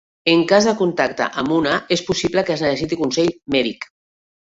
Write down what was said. En cas de contacte amb una, és possible que es necessiti consell mèdic.